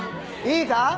・いいか？